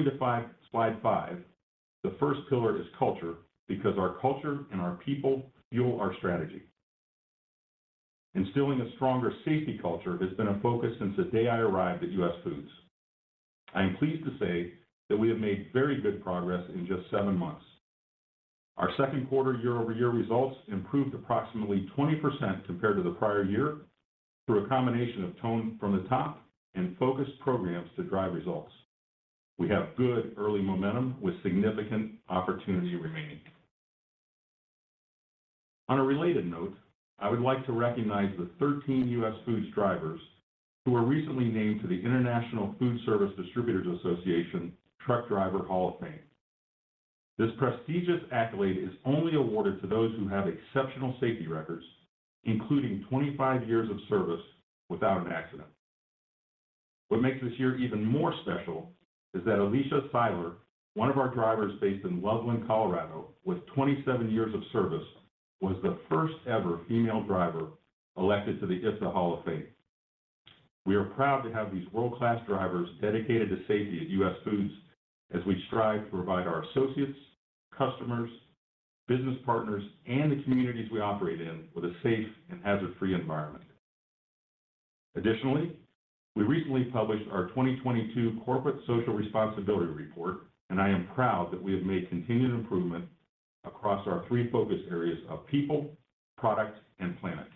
Turning to 5, slide 5. The first pillar is culture, because our culture and our people fuel our strategy. Instilling a stronger safety culture has been a focus since the day I arrived at US Foods. I am pleased to say that we have made very good progress in just 7 months. Our second quarter year-over-year results improved approximately 20% compared to the prior year, through a combination of tone from the top and focused programs to drive results. We have good early momentum with significant opportunity remaining. On a related note, I would like to recognize the 13 US Foods drivers, who were recently named to the International Foodservice Distributors Association Truck Driver Hall of Fame. This prestigious accolade is only awarded to those who have exceptional safety records, including 25 years of service without an accident. What makes this year even more special is that Alicia Siler, one of our drivers based in Loveland, Colorado, with 27 years of service, was the first ever female driver elected to the IFDA Hall of Fame. We are proud to have these world-class drivers dedicated to safety at US Foods, as we strive to provide our associates, customers, business partners, and the communities we operate in, with a safe and hazard-free environment. Additionally, we recently published our 2022 Corporate Social Responsibility Report, and I am proud that we have made continued improvement across our three focus areas of people, product, and planet.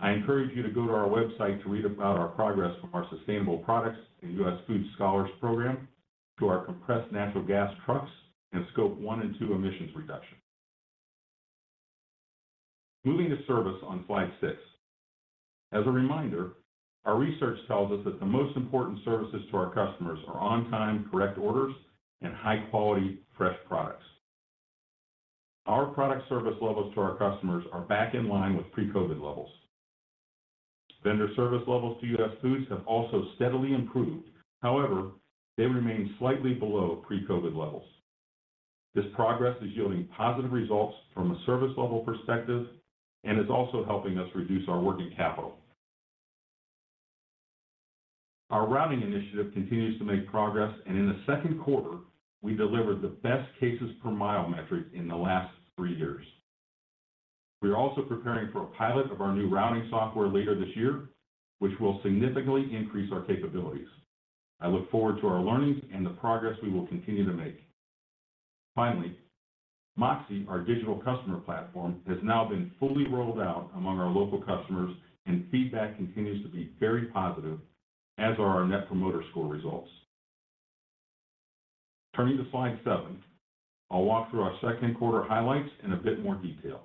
I encourage you to go to our website to read about our progress from our sustainable products and US Foods Scholars Program, to our compressed natural gas trucks and Scope 1 and 2 emissions reduction. Moving to service on slide six. As a reminder, our research tells us that the most important services to our customers are on time, correct orders, and high-quality, fresh products. Our product service levels to our customers are back in line with pre-COVID levels. Vendor service levels to US Foods have also steadily improved. However, they remain slightly below pre-COVID levels. This progress is yielding positive results from a service level perspective, and it's also helping us reduce our working capital. Our routing initiative continues to make progress, and in the second quarter, we delivered the best cases per mile metric in the last three years. We are also preparing for a pilot of our new routing software later this year, which will significantly increase our capabilities. I look forward to our learnings and the progress we will continue to make. Finally, MOXē, our digital customer platform, has now been fully rolled out among our local customers, and feedback continues to be very positive, as are our Net Promoter Score results. Turning to slide 7, I'll walk through our second quarter highlights in a bit more detail.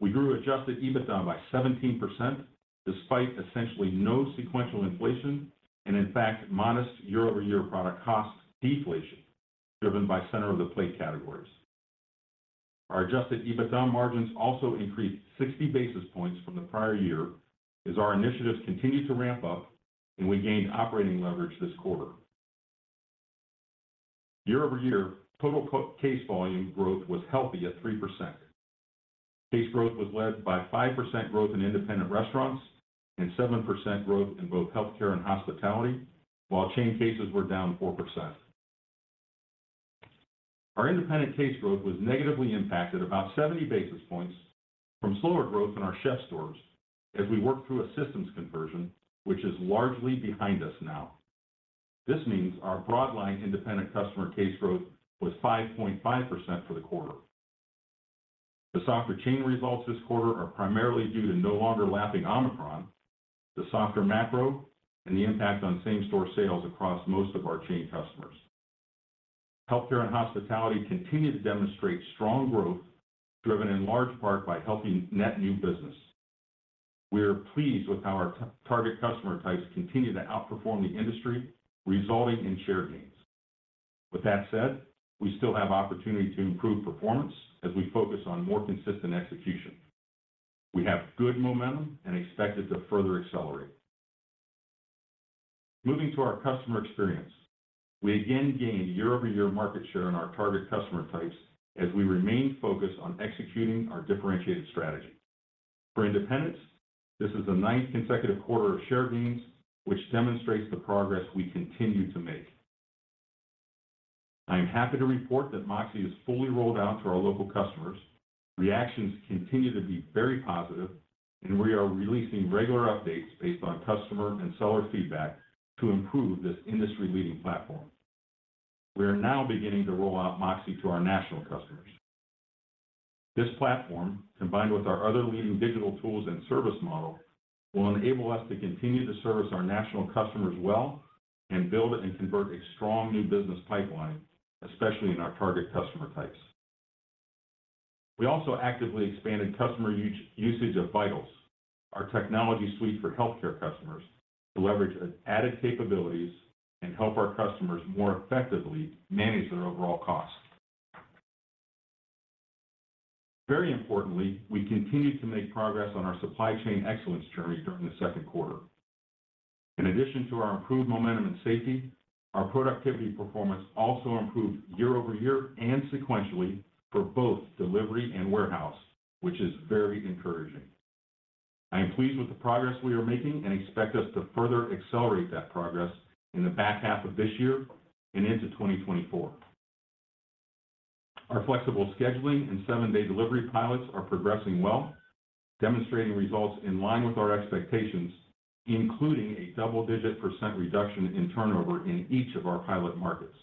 We grew Adjusted EBITDA by 17%, despite essentially no sequential inflation, and in fact, modest year-over-year product cost deflation, driven by center of the plate categories. Our Adjusted EBITDA margins also increased 60 basis points from the prior year, as our initiatives continued to ramp up, and we gained operating leverage this quarter. Year-over-year, total co- case volume growth was healthy at 3%. Case growth was led by 5% growth in independent restaurants and 7% growth in both healthcare and hospitality, while chain cases were down 4%. Our independent case growth was negatively impacted about 70 basis points from slower growth in our CHEF'STOREs as we worked through a systems conversion, which is largely behind us now. This means our broadline independent customer case growth was 5.5% for the quarter. The softer chain results this quarter are primarily due to no longer lapping Omicron, the softer macro, and the impact on same-store sales across most of our chain customers. Healthcare and hospitality continued to demonstrate strong growth, driven in large part by helping net new business. We are pleased with how our target customer types continue to outperform the industry, resulting in share gains. With that said, we still have opportunity to improve performance as we focus on more consistent execution. We have good momentum and expect it to further accelerate. Moving to our customer experience, we again gained year-over-year market share in our target customer types as we remained focused on executing our differentiated strategy. For independents, this is the ninth consecutive quarter of share gains, which demonstrates the progress we continue to make. I am happy to report that MOXē is fully rolled out to our local customers. We are releasing regular updates based on customer and seller feedback to improve this industry-leading platform. We are now beginning to roll out MOXē to our national customers. This platform, combined with our other leading digital tools and service model, will enable us to continue to service our national customers well and build and convert a strong new business pipeline, especially in our target customer types. We also actively expanded customer use, usage of VITALS, our technology suite for healthcare customers, to leverage added capabilities and help our customers more effectively manage their overall costs. Very importantly, we continued to make progress on our supply chain excellence journey during the second quarter. In addition to our improved momentum and safety, our productivity performance also improved year-over-year and sequentially for both delivery and warehouse, which is very encouraging. I am pleased with the progress we are making and expect us to further accelerate that progress in the back half of this year and into 2024. Our flexible scheduling and seven-day delivery pilots are progressing well, demonstrating results in line with our expectations, including a double-digit % reduction in turnover in each of our pilot markets.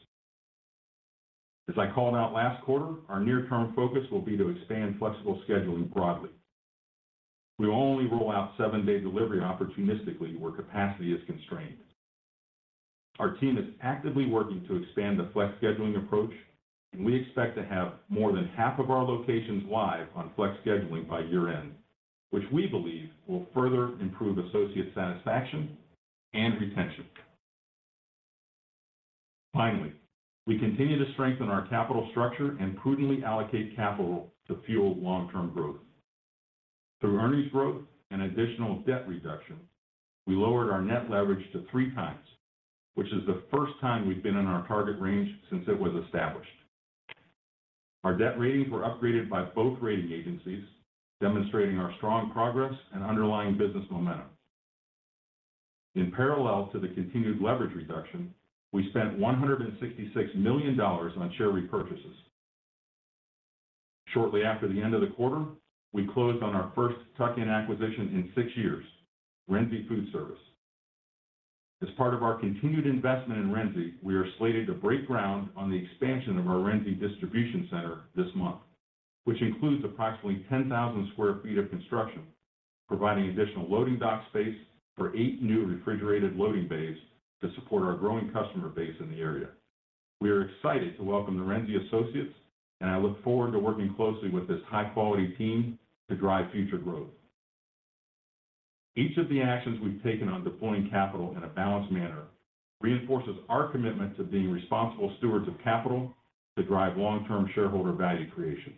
As I called out last quarter, our near-term focus will be to expand flexible scheduling broadly. We will only roll out seven-day delivery opportunistically where capacity is constrained. Our team is actively working to expand the flex scheduling approach, and we expect to have more than half of our locations live on flex scheduling by year-end, which we believe will further improve associate satisfaction and retention. Finally, we continue to strengthen our capital structure and prudently allocate capital to fuel long-term growth. Through earnings growth and additional debt reduction, we lowered our net leverage to three times, which is the first time we've been in our target range since it was established. Our debt ratings were upgraded by both rating agencies, demonstrating our strong progress and underlying business momentum. In parallel to the continued leverage reduction, we spent $166 million on share repurchases. Shortly after the end of the quarter, we closed on our first tuck-in acquisition in 6 years, Renzi Food Service. As part of our continued investment in Renzi, we are slated to break ground on the expansion of our Renzi distribution center this month, which includes approximately 10,000 sq ft of construction, providing additional loading dock space for 8 new refrigerated loading bays to support our growing customer base in the area. We are excited to welcome the Renzi associates, and I look forward to working closely with this high-quality team to drive future growth. Each of the actions we've taken on deploying capital in a balanced manner reinforces our commitment to being responsible stewards of capital to drive long-term shareholder value creation.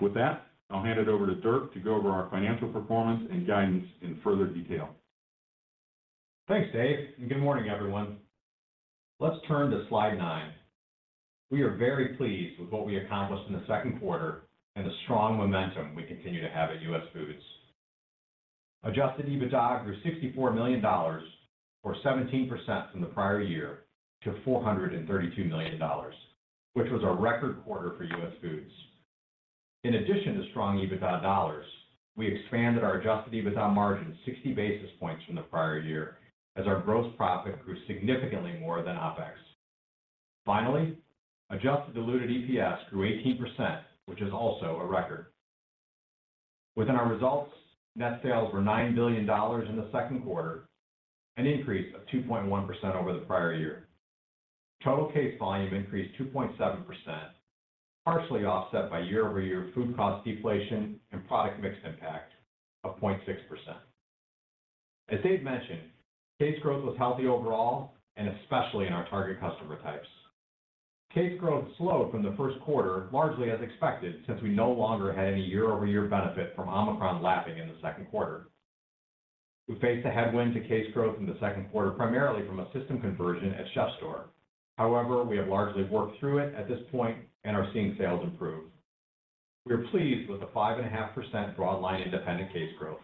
With that, I'll hand it over to Dirk to go over our financial performance and guidance in further detail. Thanks, Dave. Good morning, everyone. Let's turn to slide 9. We are very pleased with what we accomplished in the second quarter and the strong momentum we continue to have at US Foods. Adjusted EBITDA grew $64 million, or 17% from the prior year to $432 million, which was a record quarter for US Foods. In addition to strong EBITDA dollars, we expanded our Adjusted EBITDA margin 60 basis points from the prior year as our gross profit grew significantly more than OpEx. Finally, Adjusted Diluted EPS grew 18%, which is also a record. Within our results, net sales were $9 billion in the second quarter, an increase of 2.1% over the prior year. Total case volume increased 2.7%, partially offset by year-over-year food cost deflation and product mix impact of 0.6%. As Dave mentioned, case growth was healthy overall and especially in our target customer types. Case growth slowed from the first quarter, largely as expected, since we no longer had any year-over-year benefit from Omicron lapping in the second quarter. We faced a headwind to case growth in the second quarter, primarily from a system conversion at CHEF'STORE. However, we have largely worked through it at this point and are seeing sales improve. We are pleased with the 5.5% broadline independent case growth.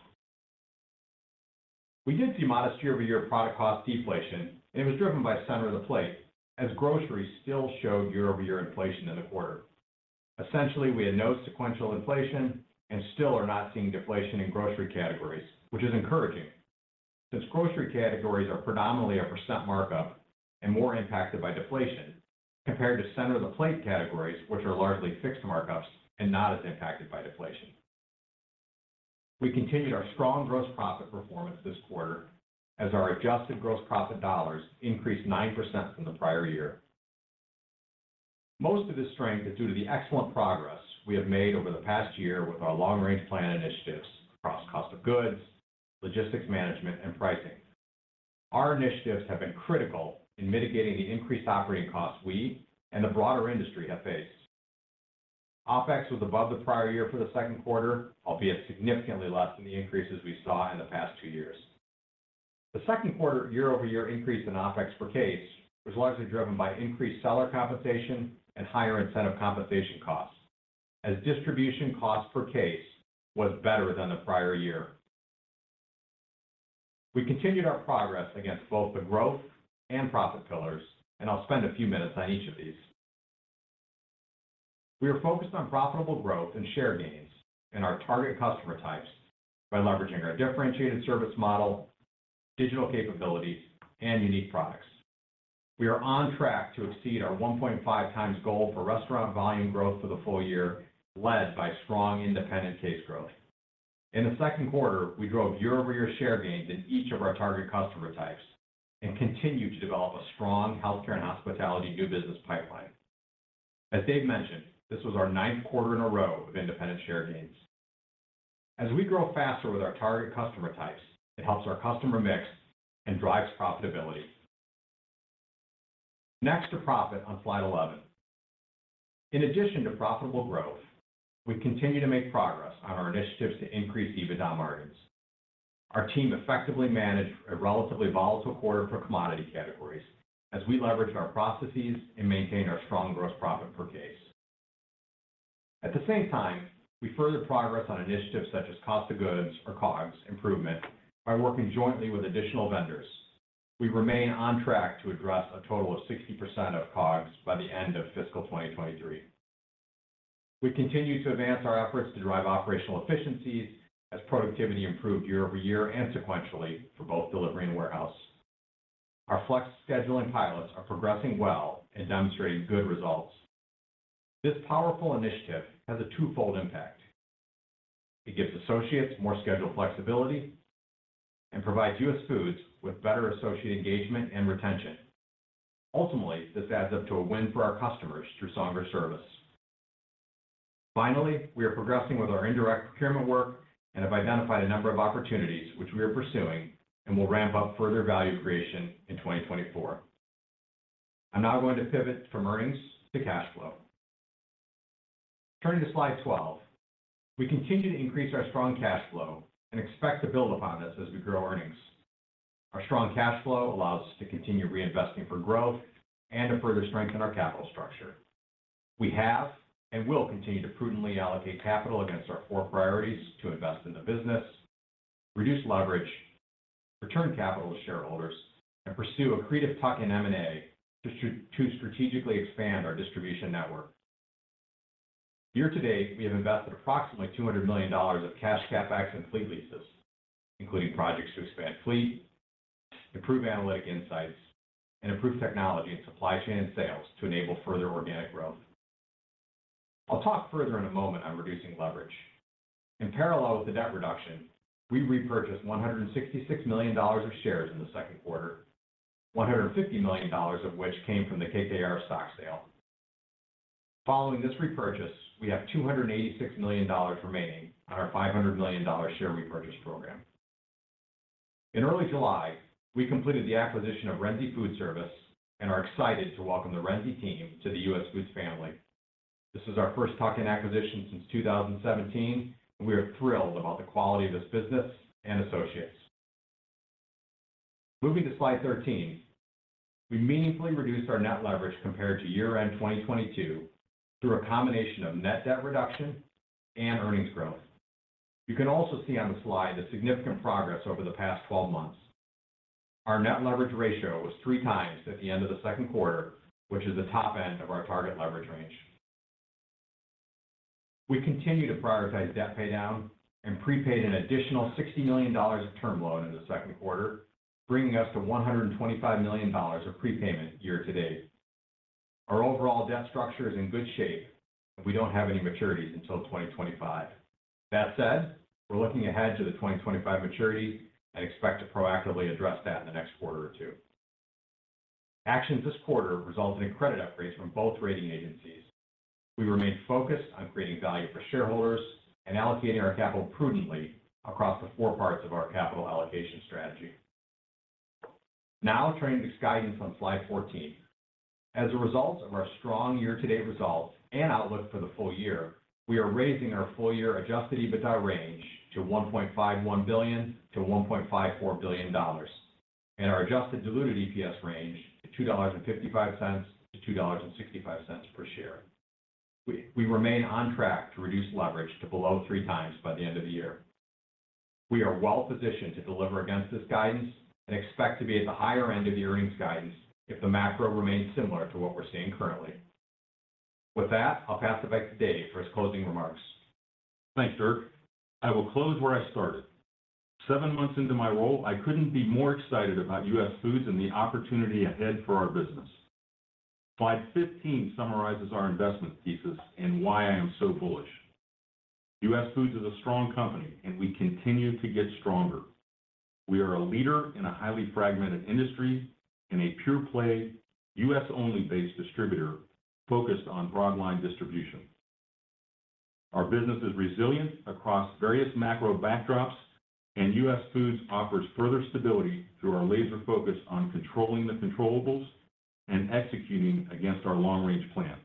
We did see modest year-over-year product cost deflation, It was driven by center of the plate, as groceries still showed year-over-year inflation in the quarter. Essentially, we had no sequential inflation and still are not seeing deflation in grocery categories, which is encouraging, since grocery categories are predominantly a percent markup and more impacted by deflation, compared to center of the plate categories, which are largely fixed markups and not as impacted by deflation. We continued our strong gross profit performance this quarter as our Adjusted Gross Profit dollars increased 9% from the prior year. Most of this strength is due to the excellent progress we have made over the past year with our long-range plan initiatives across cost of goods, logistics management, and pricing. Our initiatives have been critical in mitigating the increased operating costs we and the broader industry have faced. OpEx was above the prior year for the second quarter, albeit significantly less than the increases we saw in the past 2 years. The second quarter year-over-year increase in OpEx per case was largely driven by increased seller compensation and higher incentive compensation costs, as distribution cost per case was better than the prior year. We continued our progress against both the growth and profit pillars, and I'll spend a few minutes on each of these. We are focused on profitable growth and share gains in our target customer types by leveraging our differentiated service model, digital capabilities, and unique products. We are on track to exceed our 1.5x goal for restaurant volume growth for the full year, led by strong independent case growth. In the second quarter, we drove year-over-year share gains in each of our target customer types and continued to develop a strong healthcare and hospitality new business pipeline. As Dave mentioned, this was our ninth quarter in a row of independent share gains. As we grow faster with our target customer types, it helps our customer mix and drives profitability. Next to profit on slide 11. In addition to profitable growth, we continue to make progress on our initiatives to increase EBITDA margins. Our team effectively managed a relatively volatile quarter for commodity categories, as we leveraged our processes and maintained our strong gross profit per case. At the same time, we further progress on initiatives such as cost of goods, or COGS, improvement by working jointly with additional vendors. We remain on track to address a total of 60% of COGS by the end of fiscal 2023. We continue to advance our efforts to drive operational efficiencies as productivity improved year-over-year and sequentially for both delivery and warehouse. Our flex scheduling pilots are progressing well and demonstrating good results. This powerful initiative has a twofold impact: it gives associates more schedule flexibility, and provides US Foods with better associate engagement and retention. Ultimately, this adds up to a win for our customers through stronger service. Finally, we are progressing with our indirect procurement work and have identified a number of opportunities which we are pursuing and will ramp up further value creation in 2024. I'm now going to pivot from earnings to cash flow. Turning to slide 12, we continue to increase our strong cash flow and expect to build upon this as we grow earnings. Our strong cash flow allows us to continue reinvesting for growth and to further strengthen our capital structure. We have, and will continue to prudently allocate capital against our four priorities to invest in the business, reduce leverage, return capital to shareholders, and pursue accretive tuck-in M&A to strategically expand our distribution network. Year to date, we have invested approximately $200 million of cash, CapEx, and fleet leases, including projects to expand fleet, improve analytic insights, and improve technology and supply chain sales to enable further organic growth. I'll talk further in a moment on reducing leverage. Parallel with the debt reduction, we repurchased $166 million of shares in the second quarter, $150 million of which came from the KKR stock sale. Following this repurchase, we have $286 million remaining on our $500 million share repurchase program. In early July, we completed the acquisition of Renzi Food Service and are excited to welcome the Renzi team to the US Foods family. This is our first tuck-in acquisition since 2017, and we are thrilled about the quality of this business and associates. Moving to slide 13, we meaningfully reduced our net leverage compared to year-end 2022, through a combination of net debt reduction and earnings growth. You can also see on the slide a significant progress over the past 12 months. Our net leverage ratio was 3 times at the end of the second quarter, which is the top end of our target leverage range. We continue to prioritize debt paydown and prepaid an additional $60 million of term loan in the second quarter, bringing us to $125 million of prepayment year to date. Our overall debt structure is in good shape, and we don't have any maturities until 2025. That said, we're looking ahead to the 2025 maturity and expect to proactively address that in the next quarter or two. Actions this quarter resulted in credit upgrades from both rating agencies. We remain focused on creating value for shareholders and allocating our capital prudently across the four parts of our capital allocation strategy. Now, turning to guidance on slide 14. As a result of our strong year-to-date results and outlook for the full year, we are raising our full-year Adjusted EBITDA range to $1.51 billion-$1.54 billion, and our Adjusted Diluted EPS range to $2.55-$2.65 per share. We, we remain on track to reduce leverage to below 3 times by the end of the year. We are well positioned to deliver against this guidance and expect to be at the higher end of the earnings guidance if the macro remains similar to what we're seeing currently. With that, I'll pass it back to Dave for his closing remarks. Thanks, Dirk. I will close where I started. 7 months into my role, I couldn't be more excited about US Foods and the opportunity ahead for our business. Slide 15 summarizes our investment thesis and why I am so bullish. US Foods is a strong company, and we continue to get stronger. We are a leader in a highly fragmented industry and a pure-play, U.S.-only-based distributor focused on broadline distribution. Our business is resilient across various macro backdrops, and US Foods offers further stability through our laser focus on controlling the controllables and executing against our long-range plan.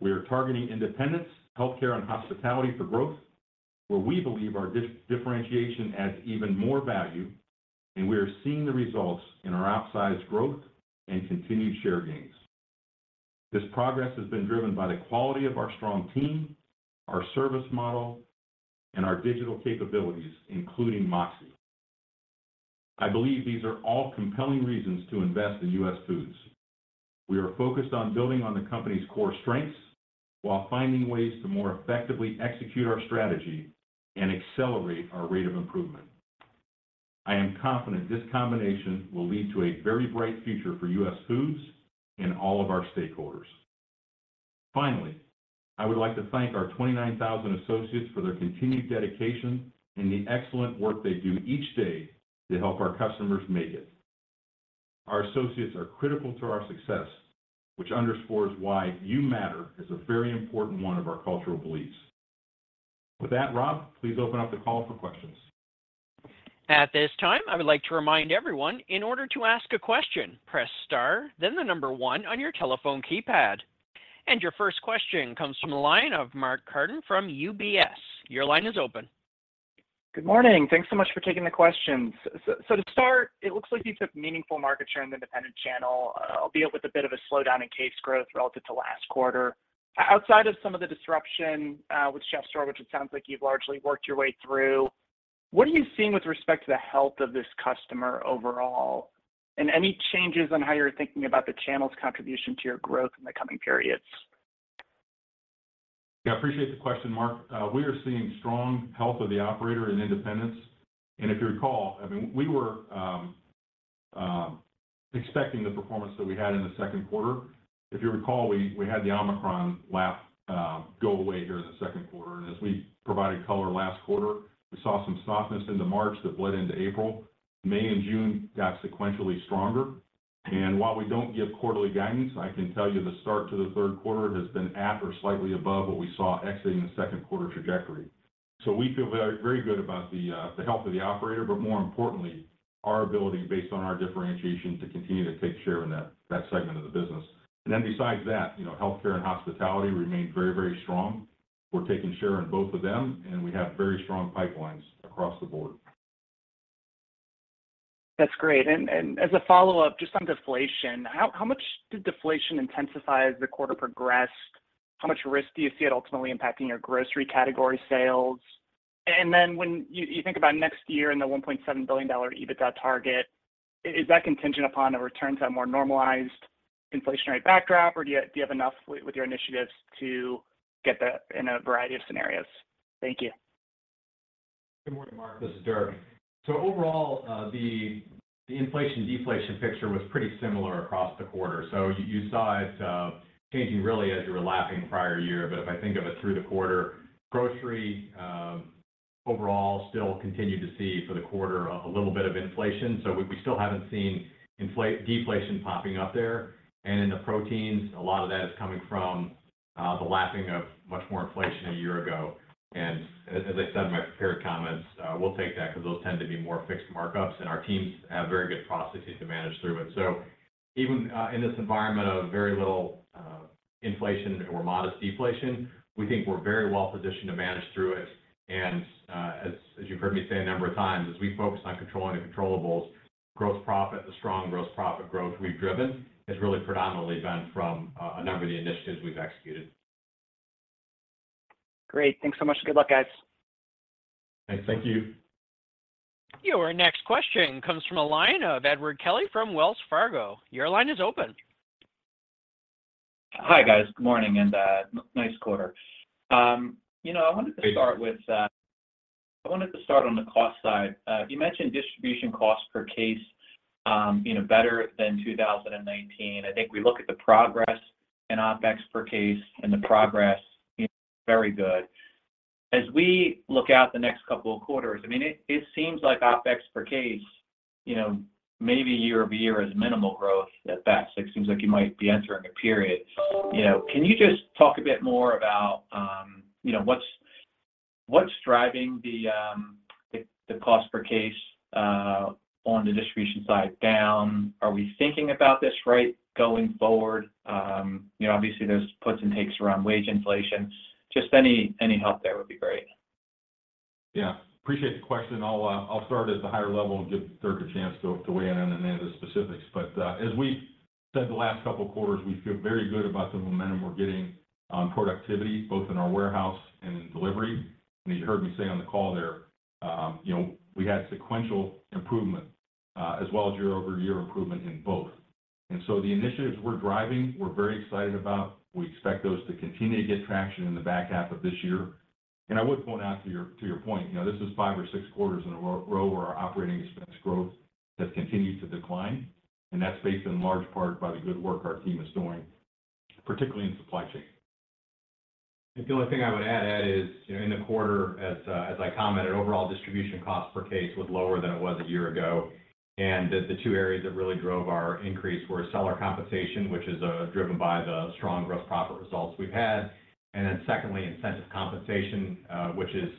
We are targeting independents, healthcare, and hospitality for growth, where we believe our differentiation adds even more value, and we are seeing the results in our outsized growth and continued share gains. This progress has been driven by the quality of our strong team, our service model, and our digital capabilities, including MOXē. I believe these are all compelling reasons to invest in US Foods. We are focused on building on the company's core strengths, while finding ways to more effectively execute our strategy and accelerate our rate of improvement. I am confident this combination will lead to a very bright future for US Foods and all of our stakeholders. Finally, I would like to thank our 29,000 associates for their continued dedication and the excellent work they do each day to help our customers make it. Our associates are critical to our success, which underscores why You Matter is a very important one of our cultural beliefs. With that, Rob, please open up the call for questions. At this time, I would like to remind everyone, in order to ask a question, press star, then the number one on your telephone keypad. Your first question comes from the line of Mark Carden from UBS. Your line is open. Good morning. Thanks so much for taking the questions. So to start, it looks like you took meaningful market share in the independent channel, albeit with a bit of a slowdown in case growth relative to last quarter. Outside of some of the disruption, with CHEF'STORE, which it sounds like you've largely worked your way through, what are you seeing with respect to the health of this customer overall? Any changes on how you're thinking about the channel's contribution to your growth in the coming periods? Yeah, I appreciate the question, Mark. We are seeing strong health of the operator and independents. If you recall, I mean, we were expecting the performance that we had in the second quarter. If you recall, we, we had the Omicron lap go away here in the second quarter. As we provided color last quarter, we saw some softness into March that bled into April. May and June got sequentially stronger, and while we don't give quarterly guidance, I can tell you the start to the third quarter has been at or slightly above what we saw exiting the second quarter trajectory. We feel very, very good about the health of the operator, but more importantly, our ability, based on our differentiation, to continue to take share in that, that segment of the business. Then besides that, you know, healthcare and hospitality remain very, very strong. We're taking share in both of them, and we have very strong pipelines across the board. That's great. As a follow-up, just on deflation, how, how much did deflation intensify as the quarter progressed? How much risk do you see it ultimately impacting your grocery category sales? Then when you, you think about next year and the $1.7 billion EBITDA target, is that contingent upon a return to a more normalized inflationary backdrop, or do you, do you have enough with, with your initiatives to get that in a variety of scenarios? Thank you. Good morning, Mark, this is Dirk. Overall, the, the inflation/deflation picture was pretty similar across the quarter. You, you saw it changing really as you were lapping the prior year. If I think of it through the quarter, grocery, overall, still continued to see for the quarter of a little bit of inflation. We, we still haven't seen infla- deflation popping up there. In the proteins, a lot of that is coming from the lapping of much more inflation a year ago. As, as I said in my prepared comments, we'll take that 'cause those tend to be more fixed markups, and our teams have very good processes to manage through it. Even in this environment of very little inflation or modest deflation, we think we're very well positioned to manage through it. As, as you've heard me say a number of times, as we focus on controlling the controllables, gross profit, the strong gross profit growth we've driven has really predominantly been from, a number of the initiatives we've executed. Great. Thanks so much. Good luck, guys. Thanks. Thank you. Your next question comes from a line of Edward Kelly from Wells Fargo. Your line is open. Hi, guys. Good morning, nice quarter. You know, I wanted to start with I wanted to start on the cost side. You mentioned distribution cost per case, you know, better than 2019. I think we look at the progress in OpEx per case and the progress, very good. As we look out the next couple of quarters, I mean, it, it seems like OpEx per case, you know, maybe year over year is minimal growth at best. It seems like you might be entering a period. You know, can you just talk a bit more about, you know, what's, what's driving the, the cost per case on the distribution side down? Are we thinking about this right going forward? You know, obviously, there's puts and takes around wage inflation. Just any, any help there would be great. Yeah. Appreciate the question. I'll, I'll start at the higher level and give Dirk a chance to, to weigh in on any of the specifics. As we've said the last couple of quarters, we feel very good about the momentum we're getting on productivity, both in our warehouse and in delivery. You heard me say on the call there, you know, we had sequential improvement, as well as year-over-year improvement in both. The initiatives we're driving, we're very excited about. We expect those to continue to get traction in the back half of this year. I would point out to your, to your point, you know, this is 5 or 6 quarters in a row where our operating expense growth has continued to decline, and that's based in large part by the good work our team is doing, particularly in supply chain. The only thing I would add, Ed, is, you know, in the quarter, as, as I commented, overall distribution cost per case was lower than it was a year ago. That the two areas that really drove our increase were seller compensation, which is, driven by the strong gross profit results we've had. Then secondly, incentive compensation, which is,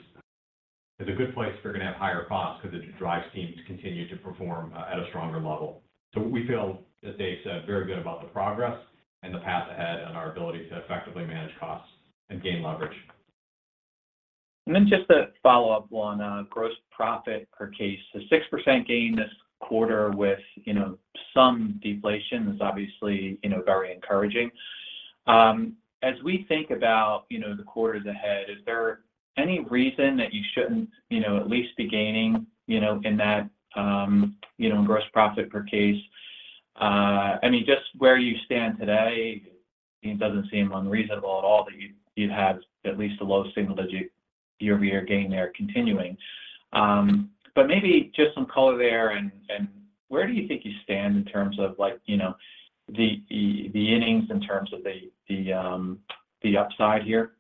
is a good place if you're going to have higher costs because it drives teams to continue to perform at a stronger level. We feel, as Dave said, very good about the progress and the path ahead and our ability to effectively manage costs and gain leverage. Just a follow-up on gross profit per case. The 6% gain this quarter with, you know, some deflation is obviously, you know, very encouraging. As we think about, you know, the quarters ahead, is there any reason that you shouldn't, you know, at least be gaining, you know, in that, you know, gross profit per case? I mean, just where you stand today, it doesn't seem unreasonable at all that you, you'd have at least a low single digi- year-over-year gain there continuing. Maybe just some color there, and, and where do you think you stand in terms of, like, you know, the, the, the innings in terms of the, the, the upside here?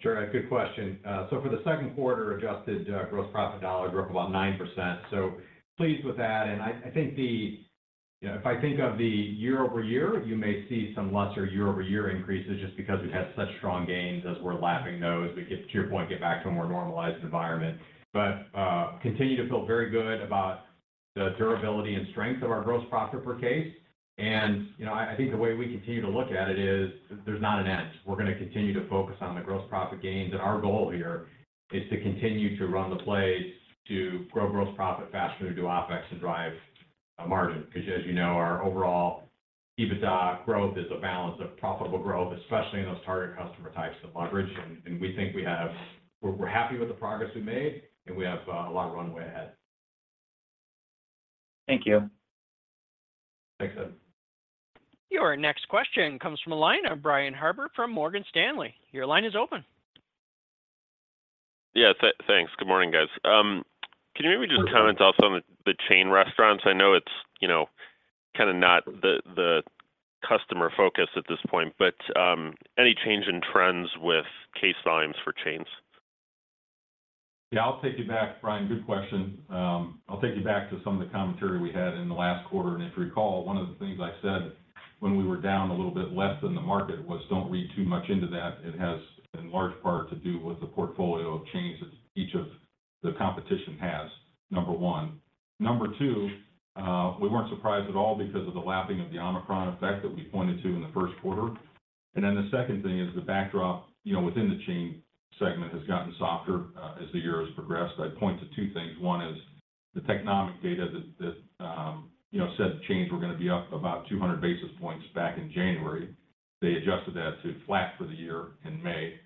Sure, good question. For the second quarter, adjusted, gross profit dollar grew up about 9%, pleased with that. I, I think the... If I think of the year-over-year, you may see some lesser year-over-year increases just because we've had such strong gains. As we're lapping those, we get, to your point, get back to a more normalized environment. Continue to feel very good about-... the durability and strength of our gross profit per case. You know, I, I think the way we continue to look at it is, there's not an end. We're gonna continue to focus on the gross profit gains, our goal here is to continue to run the plays, to grow gross profit faster than do OpEx and drive margin. Because as you know, our overall EBITDA growth is a balance of profitable growth, especially in those target customer types of leverage. And, and we think we have-- we're, we're happy with the progress we made, and we have, a lot of runway ahead. Thank you. Thanks, Ed. Your next question comes from the line of Brian Harbour from Morgan Stanley. Your line is open. Yeah, th-thanks. Good morning, guys. Can you maybe just comment also on the, the chain restaurants? I know it's, you know, kinda not the, the customer focus at this point, but, any change in trends with case volumes for chains? Yeah, I'll take you back, Brian. Good question. I'll take you back to some of the commentary we had in the last quarter. And if you recall, one of the things I said when we were down a little bit less than the market was, "Don't read too much into that. It has, in large part, to do with the portfolio of changes each of the competition has," number one. Number two, we weren't surprised at all because of the lapping of the Omicron effect that we pointed to in the first quarter. And then the second thing is the backdrop, you know, within the chain segment has gotten softer as the year has progressed. I'd point to two things. One is the Technomic data that, that, you know, said chains were gonna be up about 200 basis points back in January. They adjusted that to flat for the year in May.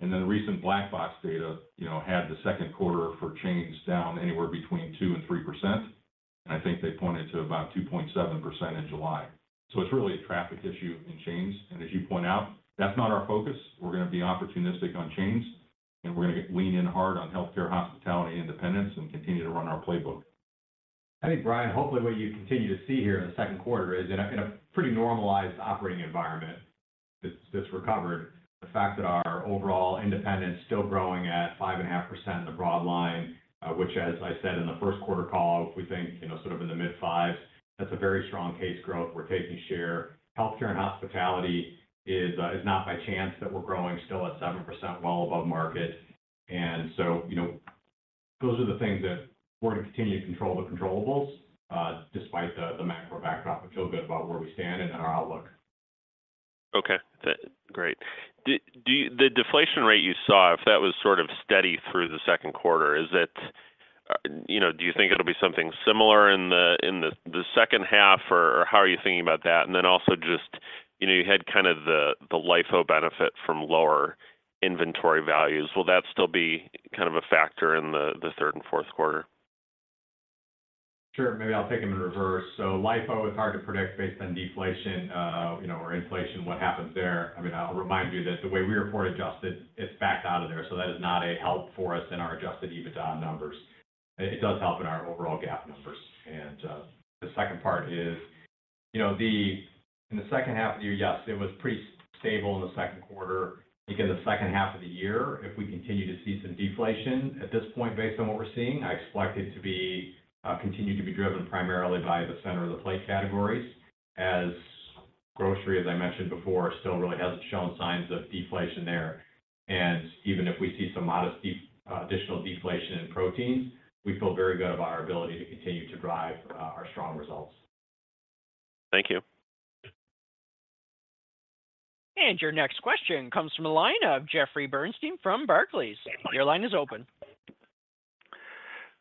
Then the recent Black Box data, you know, had the second quarter for chains down anywhere between 2% and 3%. I think they pointed to about 2.7% in July. So it's really a traffic issue in chains. As you point out, that's not our focus. We're gonna be opportunistic on chains, and we're gonna lean in hard on healthcare, hospitality, and independents, and continue to run our playbook. I think, Brian, hopefully what you continue to see here in the second quarter is in a pretty normalized operating environment that's recovered. The fact that our overall independents still growing at 5.5% in the broadline, which, as I said in the first quarter call, we think, you know, sort of in the mid-5s, that's a very strong case growth. We're taking share. Healthcare and Hospitality is not by chance that we're growing still at 7%, well above market. So, you know, those are the things that we're gonna continue to control the controllables, despite the macro backdrop. I feel good about where we stand and in our outlook. Okay. Great. Do you the deflation rate you saw, if that was sort of steady through the second quarter, is it, you know, do you think it'll be something similar in the second half, or how are you thinking about that? Also just, you know, you had kind of the LIFO benefit from lower inventory values. Will that still be kind of a factor in the third and fourth quarter? Sure. Maybe I'll take them in reverse. LIFO is hard to predict based on deflation, you know, or inflation, what happens there. I mean, I'll remind you that the way we report adjusted, it's backed out of there, so that is not a help for us in our Adjusted EBITDA numbers. It does help in our overall GAAP numbers. The second part is, you know, in the second half of the year, yes, it was pretty stable in the second quarter. I think in the second half of the year, if we continue to see some deflation, at this point, based on what we're seeing, I expect it to be, continue to be driven primarily by the center of the plate categories, as grocery, as I mentioned before, still really hasn't shown signs of deflation there. Even if we see some modest additional deflation in proteins, we feel very good about our ability to continue to drive our strong results. Thank you. Your next question comes from the line of Jeffrey Bernstein from Barclays. Your line is open.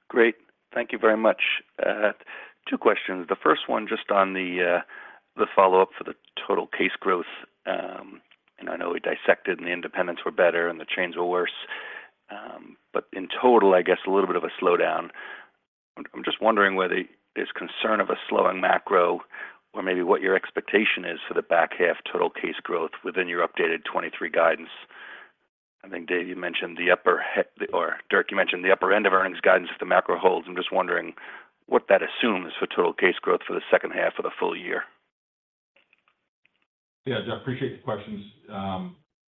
Great. Thank you very much. 2 questions. The first one, just on the follow-up for the total case growth. I know we dissected, and the independents were better, and the chains were worse. In total, I guess, a little bit of a slowdown. I'm just wondering whether there's concern of a slowing macro or maybe what your expectation is for the back half total case growth within your updated 2023 guidance. I think, Dave, you mentioned the upper or, Dirk, you mentioned the upper end of earnings guidance if the macro holds. I'm just wondering what that assumes for total case growth for the second half of the full year. Yeah, Jeff, appreciate the questions.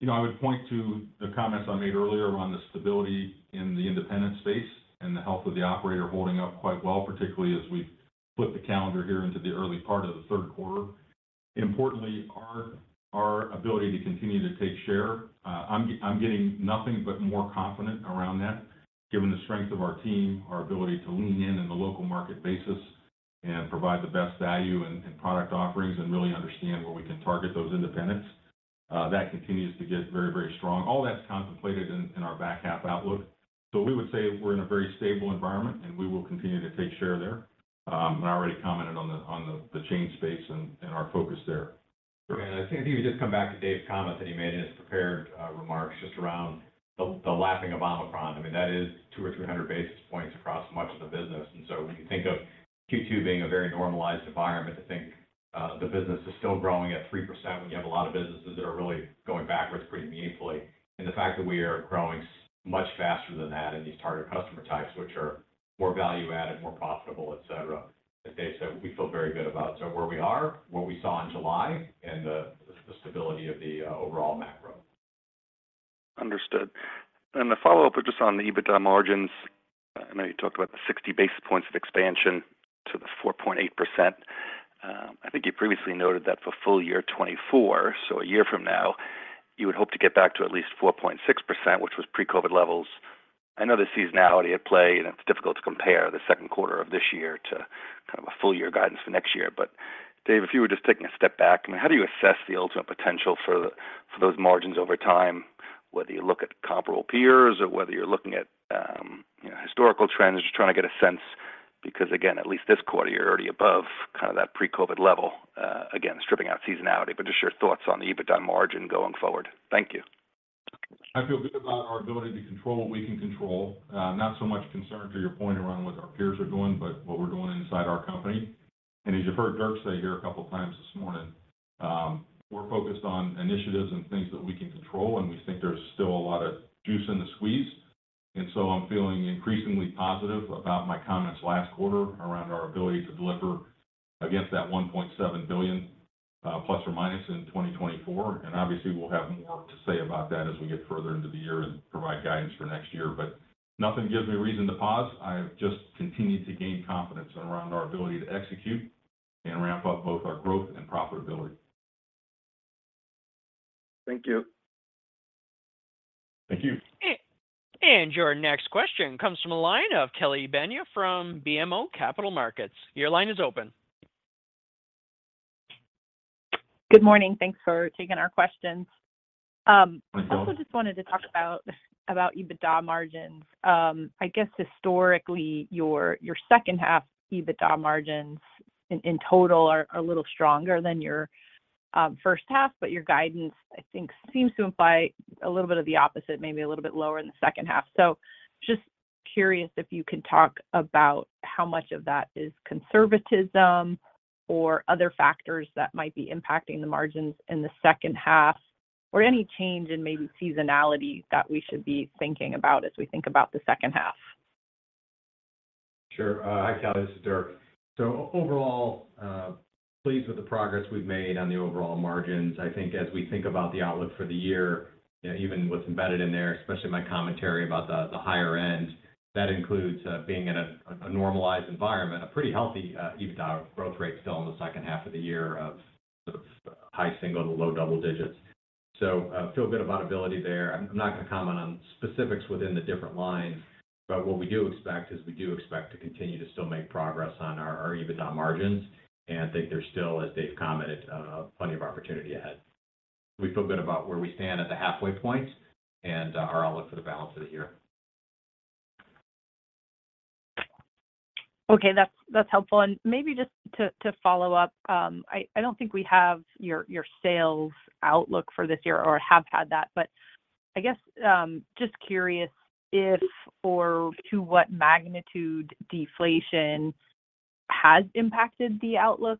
You know, I would point to the comments I made earlier around the stability in the independent space and the health of the operator holding up quite well, particularly as we flip the calendar here into the early part of the third quarter. Importantly, our, our ability to continue to take share, I'm getting nothing but more confident around that, given the strength of our team, our ability to lean in on the local market basis, and provide the best value and, and product offerings, and really understand where we can target those independents. That continues to get very, very strong. All that's contemplated in, in our back half outlook. We would say we're in a very stable environment, and we will continue to take share there. I already commented on the, on the, the chain space and, and our focus there. I think if you just come back to Dave's comment that he made in his prepared remarks, just around the lapping of Omicron, I mean, that is 200 or 300 basis points across much of the business. When you think of Q2 being a very normalized environment, I think the business is still growing at 3%. We have a lot of businesses that are really going backwards pretty meaningfully. The fact that we are growing much faster than that in these target customer types, which are more value-added, more profitable, et cetera, as Dave said, we feel very good about. Where we are, what we saw in July, and the stability of the overall macro. Understood. The follow-up is just on the EBITDA margins. I know you talked about the 60 basis points of expansion to the 4.8%. I think you previously noted that for full year 2024, so a year from now, you would hope to get back to at least 4.6%, which was pre-COVID levels. I know there's seasonality at play, and it's difficult to compare the second quarter of this year to kind of a full year guidance for next year. Dave, if you were just taking a step back, I mean, how do you assess the ultimate potential for, for those margins over time, whether you look at comparable peers or whether you're looking at, you know, historical trends? Just trying to get a sense, because, again, at least this quarter, you're already above kind of that pre-COVID level, again, stripping out seasonality, but just your thoughts on the EBITDA margin going forward. Thank you. I feel good about our ability to control what we can control. Not so much concern, to your point, around what our peers are doing, but what we're doing inside our company. As you've heard Dirk say here a couple of times this morning, we're focused on initiatives and things that we can control, and we think there's still a lot of juice in the squeeze. So I'm feeling increasingly positive about my comments last quarter around our ability to deliver against that $1.7 billion, plus or minus in 2024. Obviously, we'll have more to say about that as we get further into the year and provide guidance for next year. Nothing gives me reason to pause. I've just continued to gain confidence around our ability to execute and ramp up both our growth and profitability. Thank you. Thank you. Your next question comes from a line of Kelly Bania from BMO Capital Markets. Your line is open. Good morning. Thanks for taking our questions. Good morning. I also just wanted to talk about, about EBITDA margins. I guess historically, your, your second half EBITDA margins in, in total are, are a little stronger than your first half, Your guidance, I think, seems to imply a little bit of the opposite, maybe a little bit lower in the second half. Just curious if you can talk about how much of that is conservatism or other factors that might be impacting the margins in the second half, or any change in maybe seasonality that we should be thinking about as we think about the second half? Sure. Hi, Kelly, this is Dirk. Overall, pleased with the progress we've made on the overall margins. I think as we think about the outlook for the year, you know, even what's embedded in there, especially my commentary about the higher end, that includes being in a normalized environment, a pretty healthy EBITDA growth rate still in the second half of the year of sort of high single to low double digits. I feel good about ability there. I'm not going to comment on specifics within the different lines, but what we do expect is we do expect to continue to still make progress on our EBITDA margins, and I think there's still, as Dave commented, plenty of opportunity ahead. We feel good about where we stand at the halfway point and, our outlook for the balance of the year. Okay, that's, that's helpful. Maybe just to, to follow up, I, I don't think we have your, your sales outlook for this year or have had that, but I guess, just curious if or to what magnitude deflation has impacted the outlook,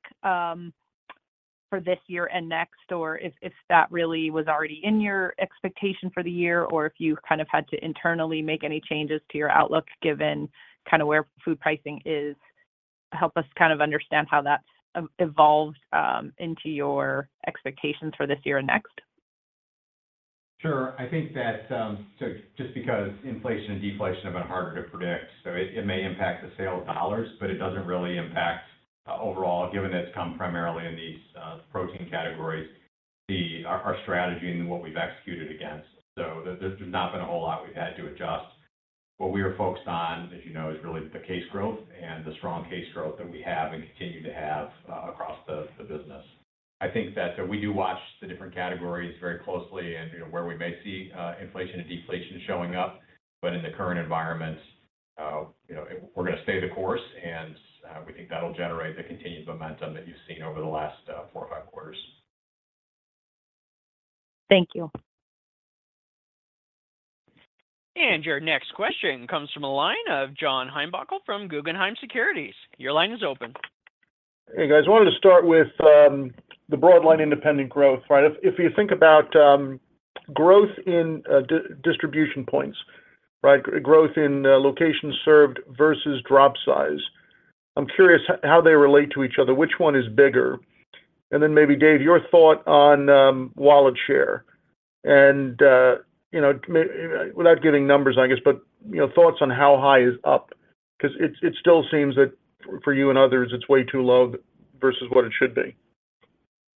for this year and next, or if, if that really was already in your expectation for the year, or if you kind of had to internally make any changes to your outlook, given kind of where food pricing is. Help us kind of understand how that evolved into your expectations for this year and next. Sure. I think that, so just because inflation and deflation have been harder to predict, so it, it may impact the sales dollars, but it doesn't really impact overall, given that it's come primarily in these protein categories, our, our strategy and what we've executed against. There, there's not been a whole lot we've had to adjust. What we are focused on, as you know, is really the case growth and the strong case growth that we have and continue to have, across the, the business. I think that, we do watch the different categories very closely and, you know, where we may see inflation and deflation showing up. In the current environment, you know, we're gonna stay the course, and, we think that'll generate the continued momentum that you've seen over the last, four or five quarters. Thank you. Your next question comes from a line of John Heinbockel from Guggenheim Securities. Your line is open. Hey, guys, I wanted to start with the broadline independent growth, right? If, if you think about growth in distribution points, right, growth in locations served versus drop size, I'm curious how they relate to each other. Which one is bigger? Then maybe, Dave, your thought on wallet share, and, you know, without giving numbers, I guess, but, you know, thoughts on how high is up, 'cause it, it still seems that for you and others, it's way too low versus what it should be.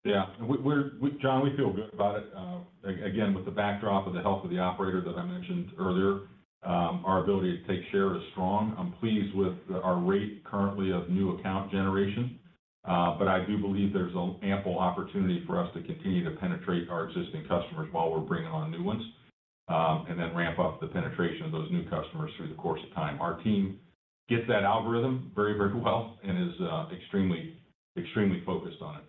Yeah, we, John, we feel good about it. Again, with the backdrop of the health of the operator that I mentioned earlier, our ability to take share is strong. I'm pleased with our rate currently of new account generation. I do believe there's an ample opportunity for us to continue to penetrate our existing customers while we're bringing on new ones, then ramp up the penetration of those new customers through the course of time. Our team gets that algorithm very, very well and is extremely, extremely focused on it.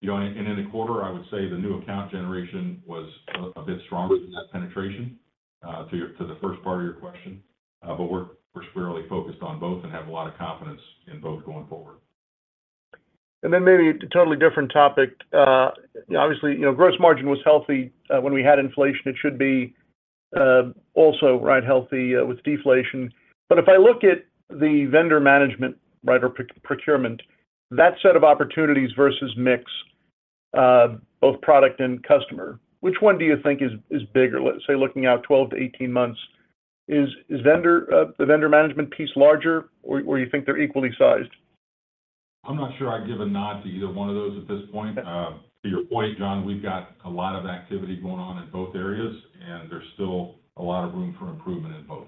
You know, in a quarter, I would say the new account generation was a, a bit stronger than that penetration, to the first part of your question. We're, we're squarely focused on both and have a lot of confidence in both going forward. Then maybe a totally different topic. Obviously, you know, gross margin was healthy. When we had inflation, it should be also, right, healthy, with deflation. If I look at the vendor management, right, or procurement, that set of opportunities versus mix-... both product and customer, which one do you think is, is bigger? Let's say, looking out 12 to 18 months, is, is vendor, the vendor management piece larger, or, or you think they're equally sized? I'm not sure I'd give a nod to either one of those at this point. Okay. To your point, John, we've got a lot of activity going on in both areas, and there's still a lot of room for improvement in both.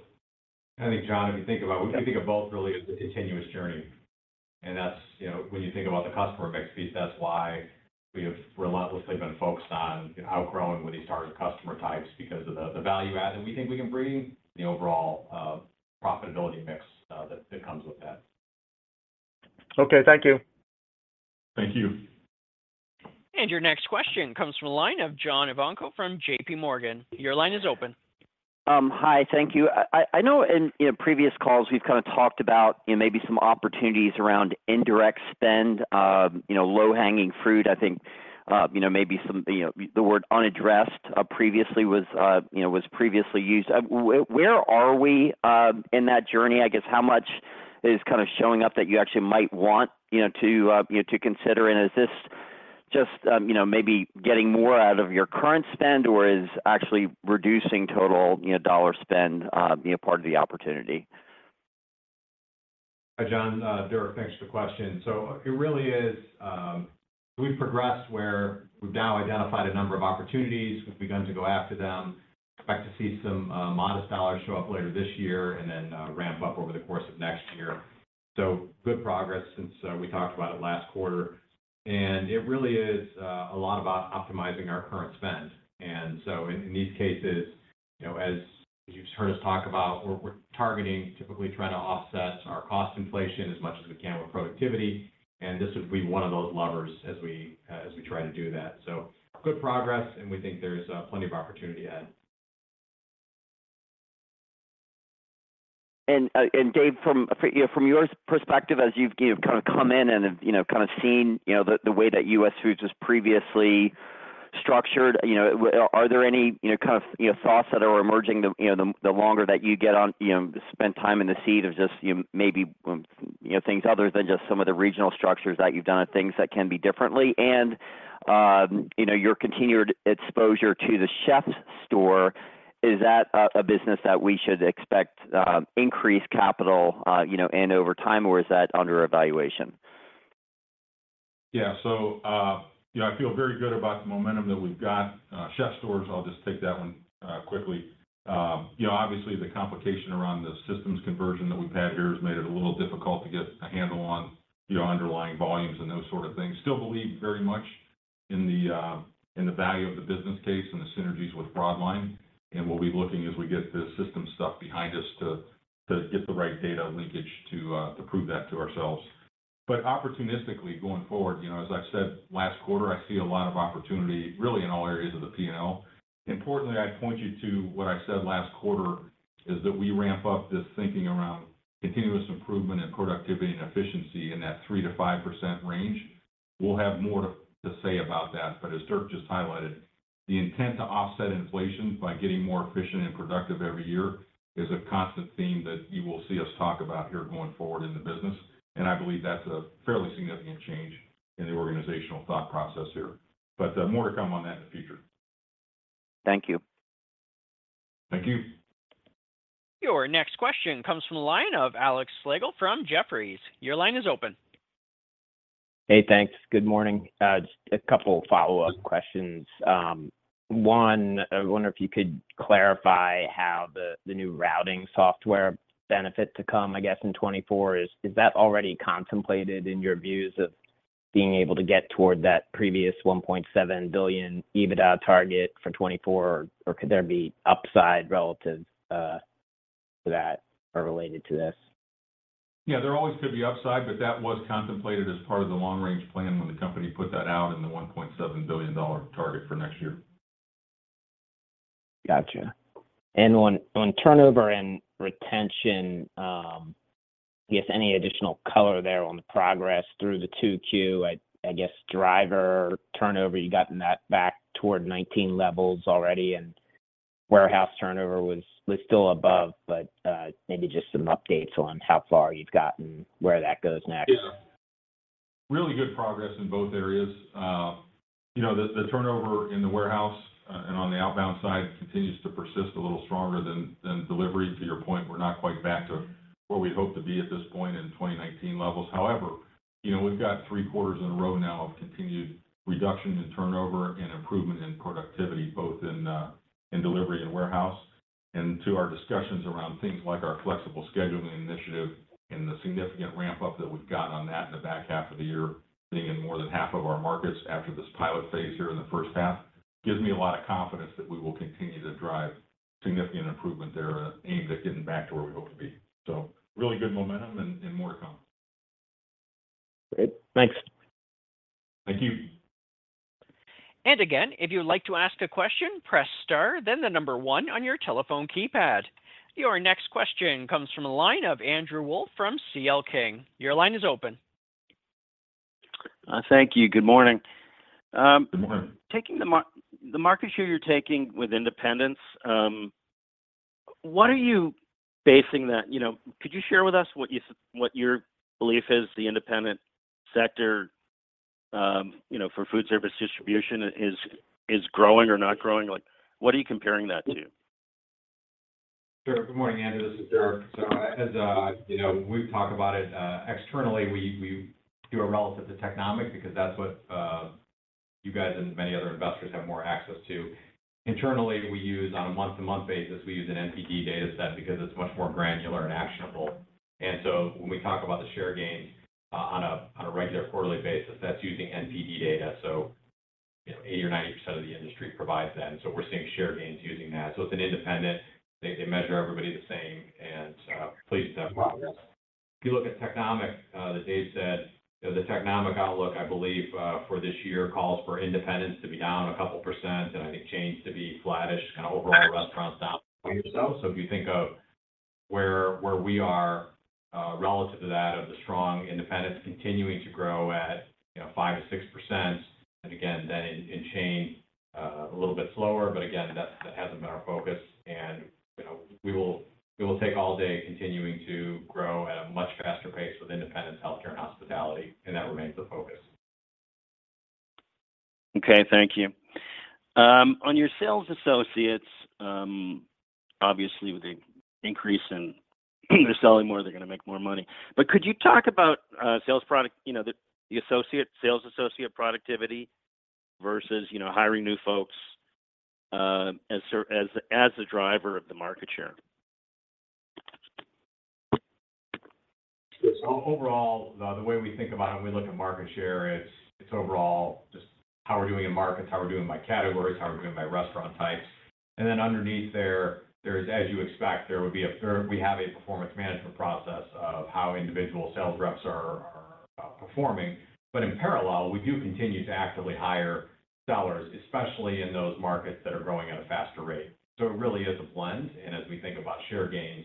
I think, John, if you think about- Okay... we can think of both really as a continuous journey, and that's, you know, when you think about the customer mix piece, that's why we have relentlessly been focused on outgrowing with these target customer types because of the, the value add that we think we can bring, the overall profitability mix that, that comes with that. Okay, thank you. Thank you. Your next question comes from the line of John Ivankoe from JP Morgan. Your line is open. Hi. Thank you. I, I, I know in, in previous calls, we've kind of talked about, you know, maybe some opportunities around indirect spend, you know, low-hanging fruit. I think, you know, the word unaddressed previously was, you know, was previously used. Where, where are we, in that journey? I guess, how much is kind of showing up that you actually might want, you know, to, you know, to consider? Is this just, you know, maybe getting more out of your current spend, or is actually reducing total, you know, dollar spend, being a part of the opportunity? Hi, John. Dirk, thanks for the question. It really is... we've progressed where we've now identified a number of opportunities. We've begun to go after them. Expect to see some modest dollars show up later this year and then ramp up over the course of next year. Good progress since we talked about it last quarter. It really is a lot about optimizing our current spend. In, in these cases, you know, as you've heard us talk about, we're, we're targeting, typically trying to offset our cost inflation as much as we can with productivity, and this would be one of those levers as we try to do that. Good progress, and we think there's plenty of opportunity ahead. Dave, from, you know, from your perspective, as you've, you've kind of come in and have, you know, kind of seen, you know, the, the way that US Foods was previously structured, you know, w- are, are there any, you know, kind of, you know, thoughts that are emerging, the, you know, the, the longer that you get on, you know, spend time in the seat of just, you maybe, you know, things other than just some of the regional structures that you've done and things that can be differently? Your continued exposure to the CHEF'STORE, is that a, a business that we should expect, increased capital, you know, and over time, or is that under evaluation? Yeah. You know, I feel very good about the momentum that we've got. CHEF'STORE, I'll just take that one quickly. You know, obviously, the complication around the systems conversion that we've had here has made it a little difficult to get a handle on the underlying volumes and those sort of things. Still believe very much in the in the value of the business case and the synergies with broadline, and we'll be looking as we get the system stuff behind us to, to get the right data linkage to, to prove that to ourselves. Opportunistically, going forward, you know, as I've said last quarter, I see a lot of opportunity really in all areas of the P&L. Importantly, I'd point you to what I said last quarter, is that we ramp up this thinking around continuous improvement and productivity and efficiency in that 3%-5% range. We'll have more to say about that, but as Dirk just highlighted, the intent to offset inflation by getting more efficient and productive every year is a constant theme that you will see us talk about here going forward in the business, and I believe that's a fairly significant change in the organizational thought process here. More to come on that in the future. Thank you. Thank you. Your next question comes from the line of Alexander Slagle from Jefferies. Your line is open. Hey, thanks. Good morning. Just 2 follow-up questions. One, I wonder if you could clarify how the, the new routing software benefit to come, I guess, in 2024 is, is that already contemplated in your views of being able to get toward that previous $1.7 billion EBITDA target for 2024, or could there be upside relative to that or related to this? Yeah, there always could be upside, but that was contemplated as part of the long-range plan when the company put that out in the $1.7 billion target for next year. Gotcha. On, on turnover and retention, I guess any additional color there on the progress through the 2Q? I, I guess driver turnover, you've gotten that back toward 19 levels already, and warehouse turnover was still above, but maybe just some updates on how far you've gotten and where that goes next. Yeah. Really good progress in both areas. you know, the, the turnover in the warehouse, and on the outbound side continues to persist a little stronger than, than delivery. To your point, we're not quite back to where we hope to be at this point in 2019 levels. However, you know, we've got 3 quarters in a row now of continued reduction in turnover and improvement in productivity, both in, in delivery and warehouse. To our discussions around things like our flexible scheduling initiative and the significant ramp-up that we've got on that in the back half of the year, being in more than half of our markets after this pilot phase here in the first half, gives me a lot of confidence that we will continue to drive significant improvement there and aim at getting back to where we hope to be. Really good momentum and, and more to come. Great. Thanks. Thank you. Again, if you'd like to ask a question, press star, then the number 1 on your telephone keypad. Your next question comes from the line of Andrew Wolf from C.L. King. Your line is open. Thank you. Good morning. Good morning. Taking the market share you're taking with Independence.... What are you basing that? You know, could you share with us what your belief is, the Independent sector, you know, for foodservice distribution is, is growing or not growing? Like, what are you comparing that to? Sure. Good morning, Andrew. This is Dirk. As, you know, we've talked about it, externally, we, we do a relative to Technomic because that's what, you guys and many other investors have more access to. Internally, we use on a month-to-month basis, we use an NPD data set because it's much more granular and actionable. When we talk about the share gains, on a, on a regular quarterly basis, that's using NPD data. You know, 80% or 90% of the industry provides that, and we're seeing share gains using that. It's an independent, they, they measure everybody the same, and, please do that. If you look at Technomic, that Dave said, you know, the Technomic outlook, I believe, for this year, calls for independents to be down a couple %, and I think change to be flattish, kind of overall restaurant style itself. If you think of where, where we are, relative to that, of the strong independents continuing to grow at, you know, 5%-6%, and again, then in, in chain, a little bit slower, but again, that, that hasn't been our focus. You know, we will, we will take all day continuing to grow at a much faster pace with independent healthcare and hospitality, and that remains the focus. Okay, thank you. On your sales associates, obviously, with the increase in they're selling more, they're gonna make more money. Could you talk about, sales product, you know, the, the associate, sales associate productivity versus, you know, hiring new folks, as a driver of the market share? Overall, the way we think about it when we look at market share, it's overall just how we're doing in markets, how we're doing by categories, how we're doing by restaurant types. Then underneath there, there's, as you expect, there would be a, we have a performance management process of how individual sales reps are, are performing. In parallel, we do continue to actively hire sellers, especially in those markets that are growing at a faster rate. It really is a blend, and as we think about share gains,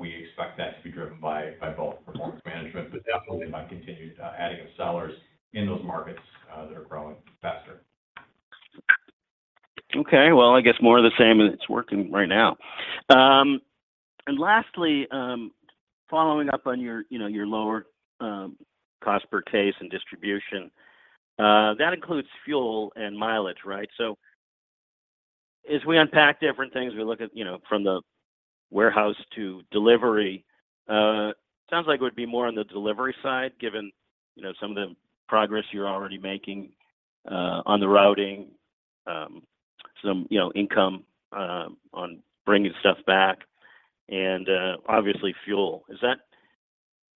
we expect that to be driven by, by both performance management, but definitely by continued adding of sellers in those markets that are growing faster. Okay, well, I guess more of the same, and it's working right now. Lastly, following up on your, you know, your lower, cost per case and distribution, that includes fuel and mileage, right? As we unpack different things, we look at, you know, from the warehouse to delivery, sounds like it would be more on the delivery side, given, you know, some of the progress you're already making, on the routing, some, you know, income, on bringing stuff back and, obviously, fuel. Is that...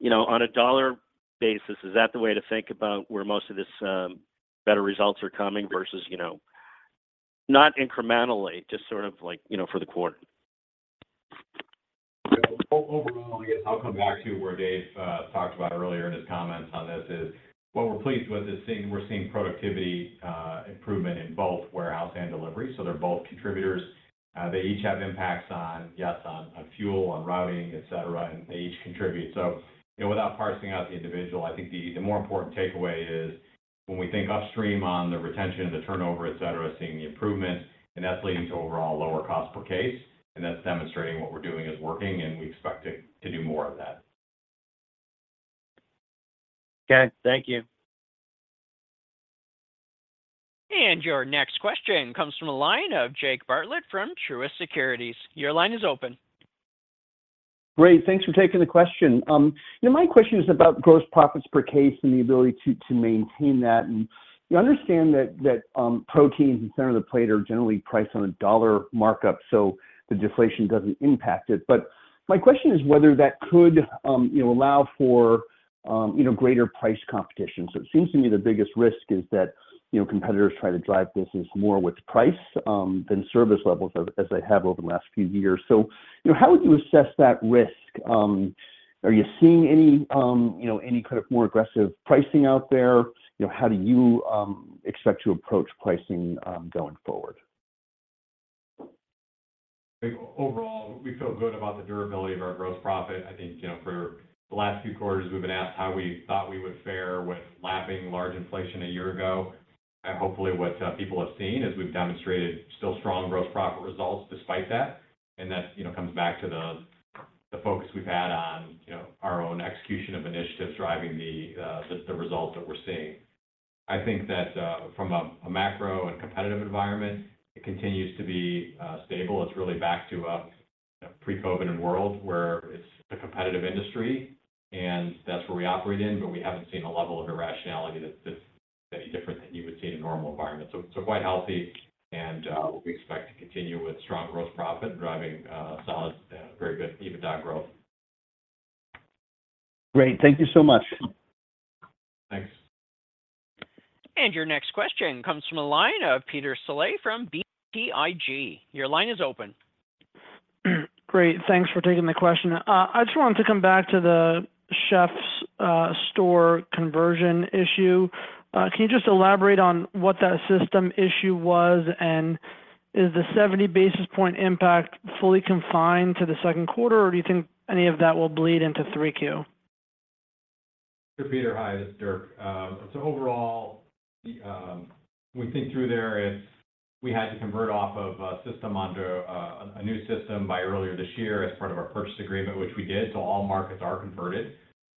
You know, on a dollar basis, is that the way to think about where most of this, better results are coming versus, you know, not incrementally, just sort of like, you know, for the quarter? Overall, I guess I'll come back to where Dave talked about earlier in his comments on this is, what we're pleased with is we're seeing productivity improvement in both warehouse and delivery, so they're both contributors. They each have impacts on, yes, on, on fuel, on routing, et cetera, and they each contribute. You know, without parsing out the individual, I think the, the more important takeaway is when we think upstream on the retention, the turnover, et cetera, seeing the improvement, and that's leading to overall lower cost per case, and that's demonstrating what we're doing is working, and we expect to, to do more of that. Okay, thank you. Your next question comes from a line of Jake Bartlett from Truist Securities. Your line is open. Great, thanks for taking the question. You know, my question is about gross profits per case and the ability to, to maintain that. You understand that, that, proteins and center of the plate are generally priced on a dollar markup, so the deflation doesn't impact it. My question is whether that could, you know, allow for, you know, greater price competition. It seems to me the biggest risk is that, you know, competitors try to drive this as more with price, than service levels as, as they have over the last few years. You know, how would you assess that risk? Are you seeing any, you know, any kind of more aggressive pricing out there? You know, how do you expect to approach pricing, going forward? Overall, we feel good about the durability of our gross profit. I think, you know, for the last few quarters, we've been asked how we thought we would fare with lapping large inflation a year ago. Hopefully, what people have seen is we've demonstrated still strong gross profit results despite that. That, you know, comes back to the, the focus we've had on, you know, our own execution of initiatives driving the, the, the results that we're seeing. I think that from a macro and competitive environment, it continues to be stable. It's really back to a pre-COVID world where it's a competitive industry, and that's where we operate in, but we haven't seen a level of irrationality that's, that's any different than you would see in a normal environment. so quite healthy, and we expect to continue with strong growth profit, driving solid very good EBITDA growth. Great. Thank you so much. Thanks. Your next question comes from a line of Peter Saleh from BTIG. Your line is open. Great. Thanks for taking the question. I just wanted to come back to the CHEF'STORE conversion issue. Can you just elaborate on what that system issue was? Is the 70 basis point impact fully confined to the second quarter, or do you think any of that will bleed into 3Q?... Peter, hi, this is Dirk. Overall, we think through there, it's we had to convert off of a system onto a new system by earlier this year as part of our purchase agreement, which we did, so all markets are converted.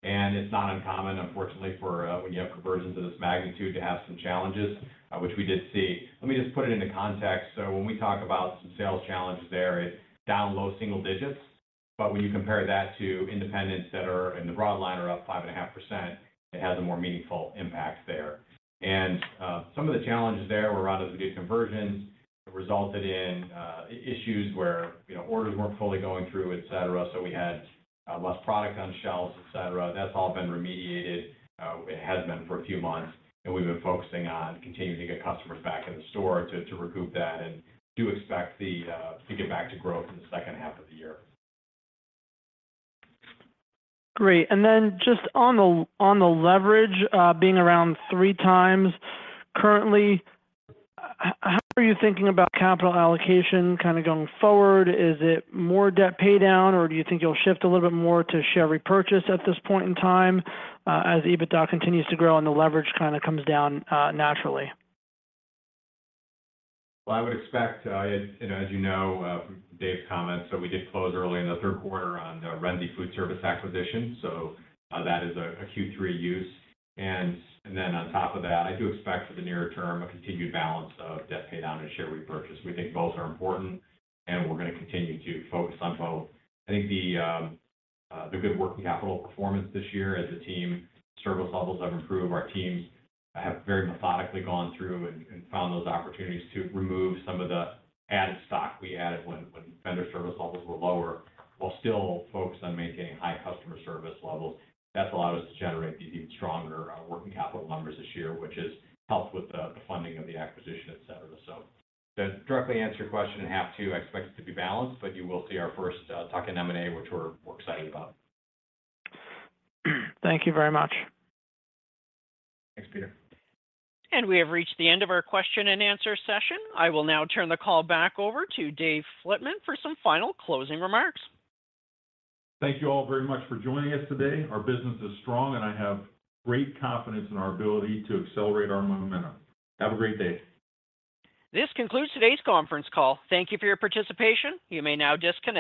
It's not uncommon, unfortunately, for when you have conversions of this magnitude, to have some challenges, which we did see. Let me just put it into context. When we talk about some sales challenges there, it's down low single digits, but when you compare that to independents that are in the broadline, are up 5.5%, it has a more meaningful impact there. Some of the challenges there were out of the gate conversions that resulted in issues where, you know, orders weren't fully going through, et cetera. We had less product on shelves, et cetera. That's all been remediated. It has been for a few months, and we've been focusing on continuing to get customers back in the store to, to recoup that and do expect the to get back to growth in the second half of the year. Great. Then just on the, on the leverage, being around 3 times, currently, how are you thinking about capital allocation kind of going forward? Is it more debt paydown, or do you think you'll shift a little bit more to share repurchase at this point in time, as EBITDA continues to grow and the leverage kind of comes down, naturally? Well, I would expect, and as you know, Dave comments, so we did close early in the third quarter on the Renzi Food Service acquisition, so that is a Q3 use. Then on top of that, I do expect for the near term, a continued balance of debt paydown and share repurchase. We think both are important, and we're going to continue to focus on both. I think the good working capital performance this year as a team, service levels have improved. Our teams have very methodically gone through and found those opportunities to remove some of the added stock we added when vendor service levels were lower, while still focused on maintaining high customer service levels. That's allowed us to generate even stronger working capital numbers this year, which has helped with the, the funding of the acquisition, et cetera. To directly answer your question, and have to, I expect it to be balanced, but you will see our first tuck-in M&A, which we're, we're excited about. Thank you very much. Thanks, Peter. We have reached the end of our question-and-answer session. I will now turn the call back over to Dave Flitman for some final closing remarks. Thank you all very much for joining us today. Our business is strong, and I have great confidence in our ability to accelerate our momentum. Have a great day. This concludes today's conference call. Thank you for your participation. You may now disconnect.